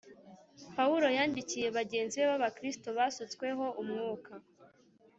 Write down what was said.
Pawulo yandikiye bagenzi be b’Abakristo basutsweho umwuka